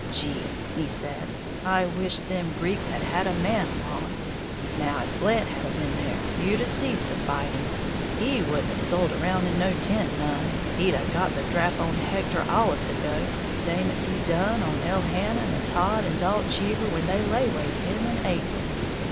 "Gee," he said, "I wisht them Greeks had a had a man along. Now if Blant had a been there, you'd a seed some fighting! He wouldn't have sulled around in no tent none! He'd a got the drap on Hector allus ago, same as he done on Elhannon and Todd and Dalt Cheever when they laywayed him in April.